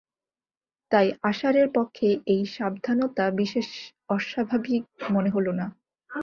তাই আশারের পক্ষে এই সাবধানতা বিশেষ অস্বাভাবিক মনে হল না।